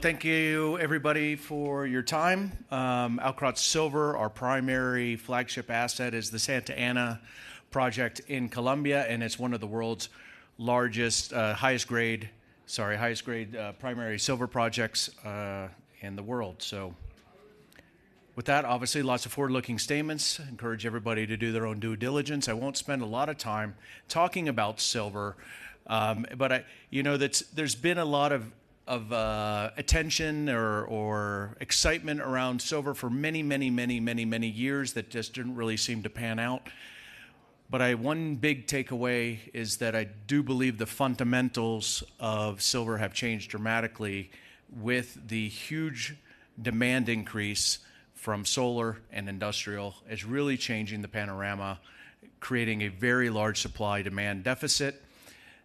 Thank you everybody for your time. Outcrop Silver, our primary flagship asset is the Santa Ana project in Colombia, and it's one of the world's largest highest grade primary silver projects in the world. With that, obviously, lots of forward-looking statements. Encourage everybody to do their own due diligence. I won't spend a lot of time talking about silver, but you know, there's been a lot of attention or excitement around silver for many years that just didn't really seem to pan out. I have one big takeaway, is that I do believe the fundamentals of silver have changed dramatically with the huge demand increase from solar and industrial. It's really changing the panorama, creating a very large supply-demand deficit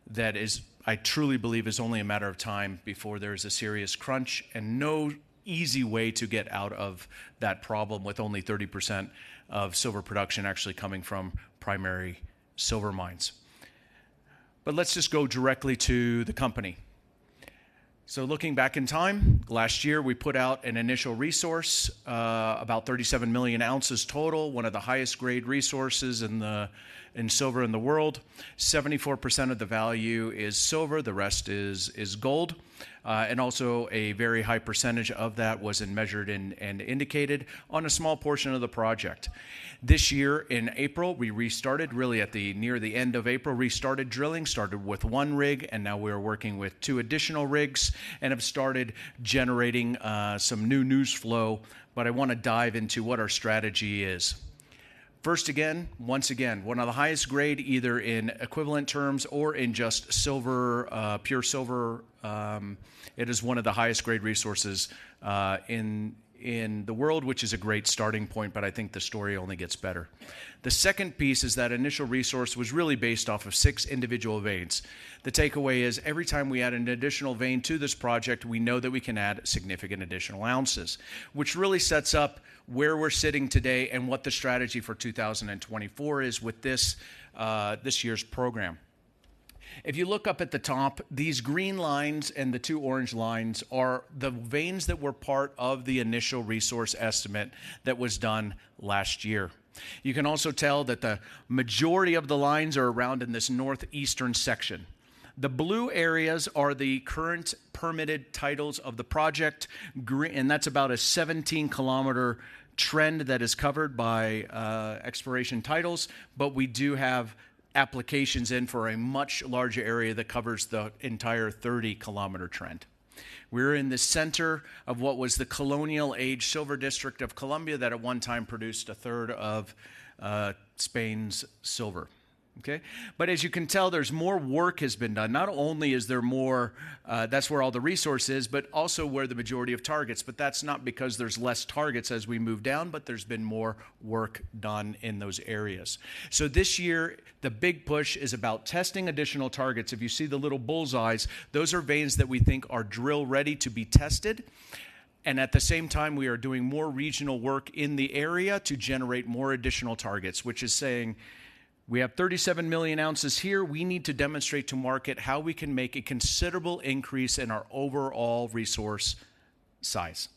that is. I truly believe is only a matter of time before there is a serious crunch and no easy way to get out of that problem with only 30% of silver production actually coming from primary silver mines. But let's just go directly to the company. Looking back in time, last year, we put out an initial resource, about 37 million oz total, one of the highest grade resources in silver in the world. 74% of the value is silver, the rest is gold. And also a very high percentage of that was in Measured and Indicated on a small portion of the project. This year, in April, we restarted, really at nearly the end of April, restarted drilling, started with one rig, and now we are working with two additional rigs and have started generating some new news flow. But I wanna dive into what our strategy is. First, again, once again, one of the highest grade, either in equivalent terms or in just silver, pure silver, it is one of the highest grade resources, in the world, which is a great starting point, but I think the story only gets better. The second piece is that initial resource was really based off of six individual veins. The takeaway is, every time we add an additional vein to this project, we know that we can add significant additional ounces, which really sets up where we're sitting today and what the strategy for 2024 is with this this year's program. If you look up at the top, these green lines and the two orange lines are the veins that were part of the initial resource estimate that was done last year. You can also tell that the majority of the lines are around in this northeastern section. The blue areas are the current permitted titles of the project, and that's about a 17 km trend that is covered by exploration titles, but we do have applications in for a much larger area that covers the entire 30 km trend. We're in the center of what was the colonial age silver district of Colombia that at one time produced a third of Spain's silver. Okay? But as you can tell, there's more work has been done. Not only is there more, that's where all the resource is, but also where the majority of targets. But that's not because there's less targets as we move down, but there's been more work done in those areas. So this year, the big push is about testing additional targets. If you see the little bullseyes, those are veins that we think are drill-ready to be tested, and at the same time, we are doing more regional work in the area to generate more additional targets, which is saying, we have 37 million oz here, we need to demonstrate to market how we can make a considerable increase in our overall resource size.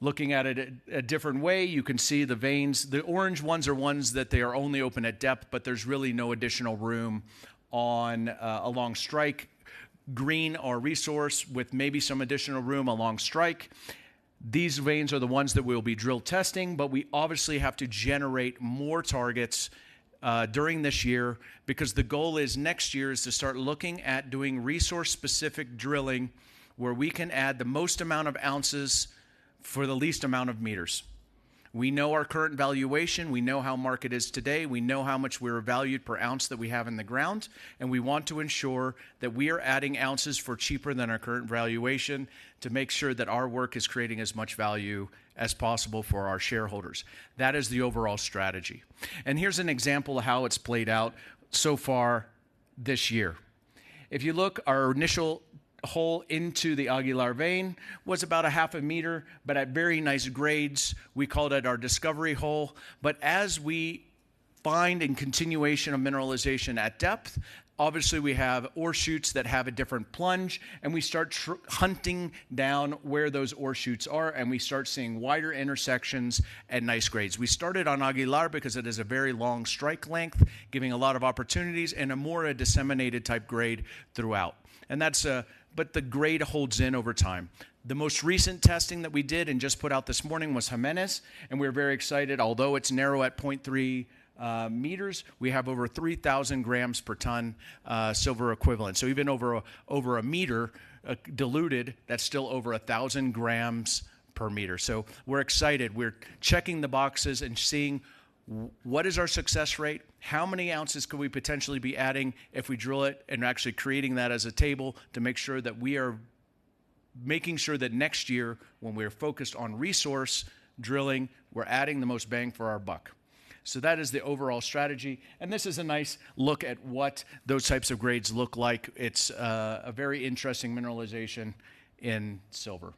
Looking at it a different way, you can see the veins. The orange ones are ones that they are only open at depth, but there's really no additional room along strike. Green are resource with maybe some additional room along strike. These veins are the ones that we'll be drill testing, but we obviously have to generate more targets during this year, because the goal next year is to start looking at doing resource-specific drilling, where we can add the most amount of ounces for the least amount of meters. We know our current valuation, we know how market is today, we know how much we're valued per ounce that we have in the ground, and we want to ensure that we are adding ounces for cheaper than our current valuation to make sure that our work is creating as much value as possible for our shareholders. That is the overall strategy. And here's an example of how it's played out so far this year. If you look, our initial hole into the Aguilar vein was about 0.5 meter, but at very nice grades, we called it our discovery hole. But as we find in continuation of mineralization at depth, obviously, we have ore shoots that have a different plunge, and we start hunting down where those ore shoots are, and we start seeing wider intersections at nice grades. We started on Aguilar because it is a very long strike length, giving a lot of opportunities and a more disseminated type grade throughout. That's. But the grade holds up over time. The most recent testing that we did and just put out this morning was Jimenez, and we're very excited. Although it's narrow at 0.3 m, we have over 3,000 g/t AgEq. So even over a meter diluted, that's still over 1,000 g-m. So we're excited. We're checking the boxes and seeing what is our success rate, how many ounces could we potentially be adding if we drill it, and actually creating that as a table to make sure that we are making sure that next year, when we are focused on resource drilling, we're adding the most bang for our buck. So that is the overall strategy, and this is a nice look at what those types of grades look like. It's a very interesting mineralization in silver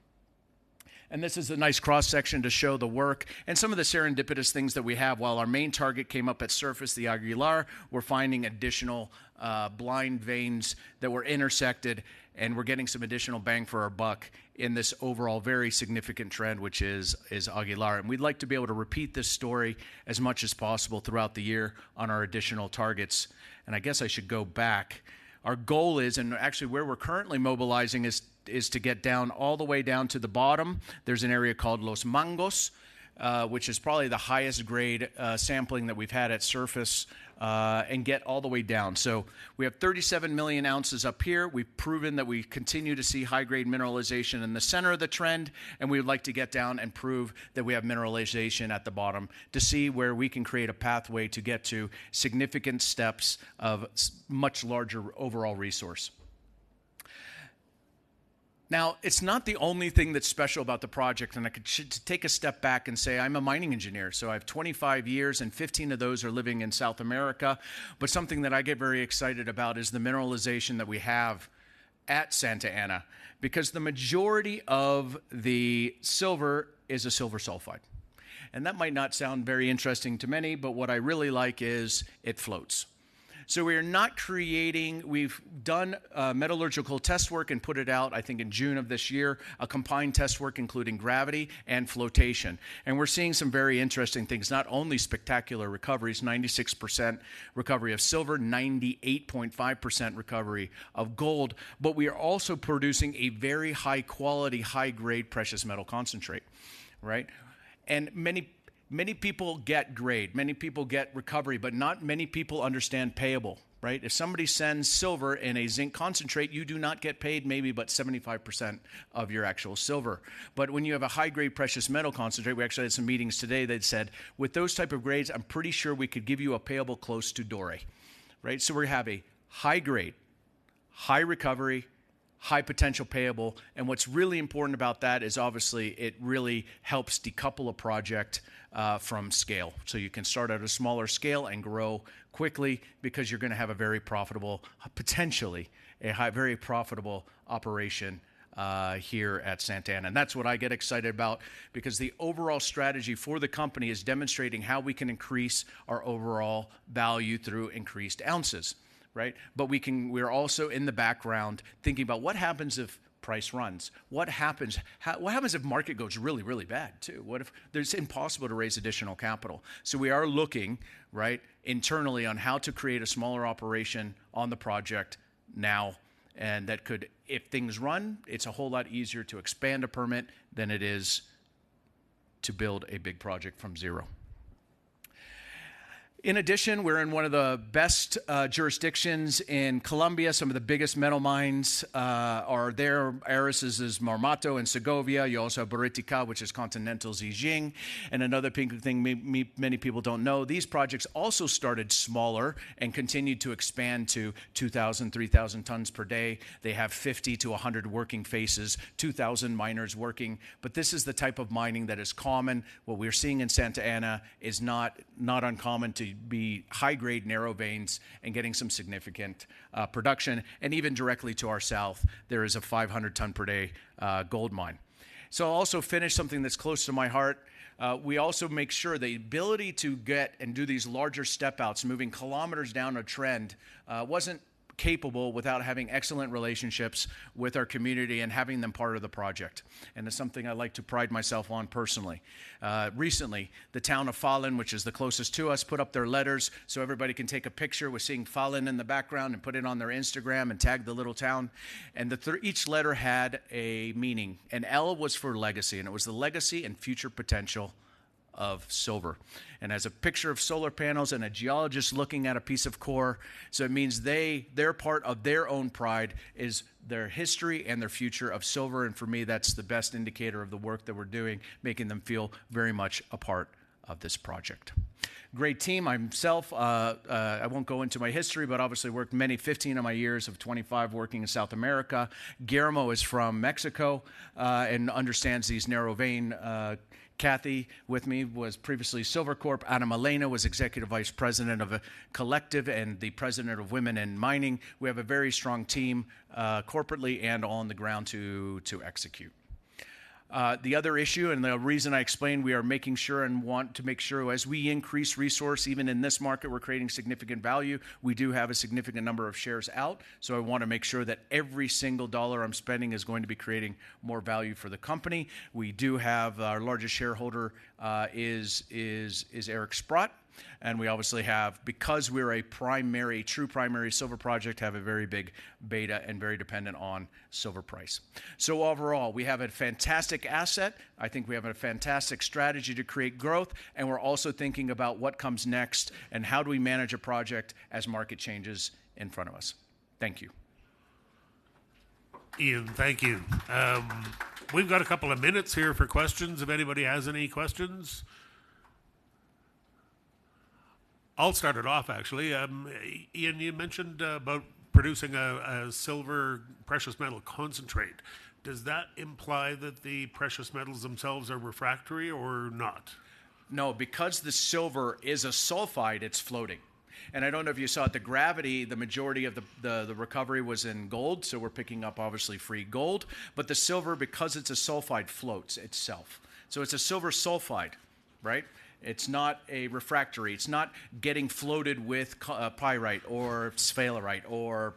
and this is a nice cross-section to show the work and some of the serendipitous things that we have. While our main target came up at surface, the Aguilar, we're finding additional blind veins that were intersected, and we're getting some additional bang for our buck in this overall very significant trend, which is Aguilar. And we'd like to be able to repeat this story as much as possible throughout the year on our additional targets. And I guess I should go back. Our goal is, and actually where we're currently mobilizing, is to get down, all the way down to the bottom. There's an area called Los Mangos, which is probably the highest grade sampling that we've had at surface and get all the way down, so we have 37 million oz up here. We've proven that we continue to see high-grade mineralization in the center of the trend, and we'd like to get down and prove that we have mineralization at the bottom to see where we can create a pathway to get to significant steps of much larger overall resource. Now, it's not the only thing that's special about the project, and I should take a step back and say I'm a mining engineer, so I have 25 years, and 15 of those are living in South America, but something that I get very excited about is the mineralization that we have at Santa Ana, because the majority of the silver is a silver sulfide. That might not sound very interesting to many, but what I really like is it floats. We've done metallurgical test work and put it out, I think in June of this year, a combined test work, including gravity and flotation, and we're seeing some very interesting things, not only spectacular recoveries, 96% recovery of silver, 98.5% recovery of gold, but we are also producing a very high quality, high grade precious metal concentrate, right? Many, many people get grade, many people get recovery, but not many people understand payable, right? If somebody sends silver in a zinc concentrate, you do not get paid maybe but 75% of your actual silver. But when you have a high-grade precious metal concentrate, we actually had some meetings today that said, "With those type of grades, I'm pretty sure we could give you a payable close to doré." Right? So we have a high grade, high recovery, high potential payable, and what's really important about that is obviously it really helps decouple a project from scale. So you can start at a smaller scale and grow quickly because you're gonna have a very profitable, potentially, a high, very profitable operation here at Santa Ana. And that's what I get excited about, because the overall strategy for the company is demonstrating how we can increase our overall value through increased ounces. Right? But we're also in the background thinking about what happens if price runs? What happens if market goes really, really bad, too? What if it's impossible to raise additional capital? So we are looking, right, internally on how to create a smaller operation on the project now, and that could, if things run, it's a whole lot easier to expand a permit than it is to build a big project from zero. In addition, we're in one of the best jurisdictions in Colombia. Some of the biggest metal mines are there. Aris Mining's Marmato and Segovia. You also have Buriticá, which is Continental's Zijin. And another thing many people don't know, these projects also started smaller and continued to expand to 2,000-3,000 t/d. They have 50 to 100 working faces, 2,000 miners working, but this is the type of mining that is common. What we're seeing in Santa Ana is not uncommon to be high grade, narrow veins and getting some significant production, and even directly to our south, there is a 500 t/d gold mine, so I'll also finish something that's close to my heart. We also make sure the ability to get and do these larger step outs, moving kilometers down a trend, wasn't capable without having excellent relationships with our community and having them part of the project, and it's something I like to pride myself on personally. Recently, the town of Falan, which is the closest to us, put up their letters so everybody can take a picture with seeing Falan in the background and put it on their Instagram and tag the little town. Each letter had a meaning, and L was for legacy, and it was the legacy and future potential of silver. It has a picture of solar panels and a geologist looking at a piece of core, so it means they, their part of their own pride is their history and their future of silver, and for me, that's the best indicator of the work that we're doing, making them feel very much a part of this project. Great team. Myself, I won't go into my history, but obviously worked many 15 of my years of 25 working in South America. Guillermo is from Mexico and understands these narrow vein. Kathy, with me, was previously Silvercorp. Ana Milena was Executive Vice President of Collective and the President of Women in Mining. We have a very strong team corporately and on the ground to execute. The other issue, and the reason I explained, we are making sure and want to make sure as we increase resource, even in this market, we're creating significant value. We do have a significant number of shares out, so I want to make sure that every single dollar I'm spending is going to be creating more value for the company. Our largest shareholder is Eric Sprott, and we obviously have, because we're a primary, true primary silver project, a very big beta and very dependent on silver price. So overall, we have a fantastic asset. I think we have a fantastic strategy to create growth, and we're also thinking about what comes next and how do we manage a project as market changes in front of us. Thank you. Ian, thank you. We've got a couple of minutes here for questions, if anybody has any questions. I'll start it off, actually. Ian, you mentioned about producing a silver precious metal concentrate. Does that imply that the precious metals themselves are refractory or not? No, because the silver is a sulfide, it's floating. And I don't know if you saw the gravity, the majority of the recovery was in gold, so we're picking up obviously free gold, but the silver, because it's a sulfide, floats itself. So it's a silver sulfide.... right? It's not a refractory, it's not getting floated with a pyrite or sphalerite or,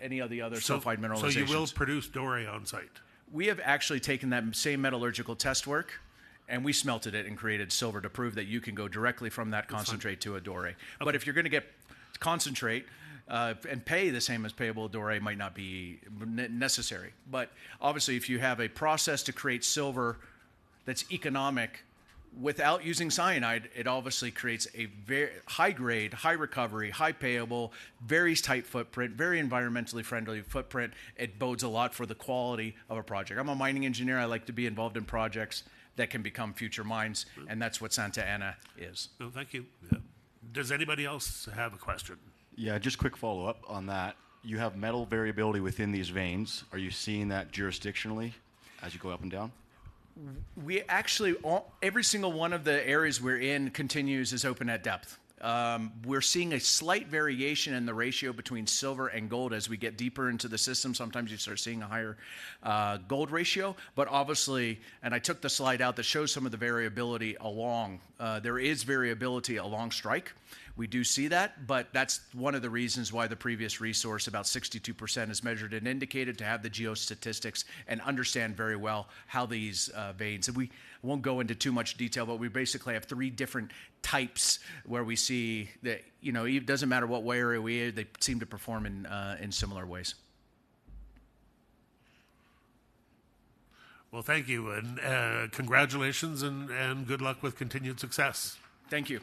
any of the other sulfide mineralization. So, you will produce doré on-site? We have actually taken that same metallurgical test work, and we smelted it and created silver to prove that you can go directly from that concentrate— That's fine —to a doré. Okay. But if you're gonna get concentrate, and pay the same as payable, doré might not be necessary. But obviously, if you have a process to create silver that's economic without using cyanide, it obviously creates a very high grade, high recovery, high payable, very tight footprint, very environmentally friendly footprint. It bodes a lot for the quality of a project. I'm a mining engineer, I like to be involved in projects that can become future mines— Mm —and that's what Santa Ana is. Thank you. Does anybody else have a question? Yeah, just quick follow-up on that. You have metal variability within these veins. Are you seeing that longitudinally as you go up and down? We actually, every single one of the areas we're in continues to be open at depth. We're seeing a slight variation in the ratio between silver and gold as we get deeper into the system, sometimes you start seeing a higher gold ratio. But obviously. And I took the slide out that shows some of the variability along strike. There is variability along strike. We do see that, but that's one of the reasons why the previous resource, about 62%, is Measured and Indicated to have the geostatistics and understand very well how these veins. We won't go into too much detail, but we basically have three different types where we see that, you know, it doesn't matter what vein area we are. They seem to perform in similar ways. Thank you, and congratulations, and good luck with continued success. Thank you.